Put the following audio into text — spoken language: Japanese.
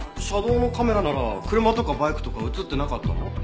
車道のカメラなら車とかバイクとか映ってなかったの？